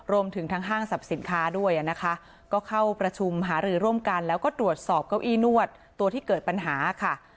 รวมถึงทางห้างสรรพสินค้าด้วยนะคะก็เข้าประชุมหารือร่วมกันแล้วก็ตรวจสอบเก้าอี้นวดตัวที่เกิดปัญหาค่ะ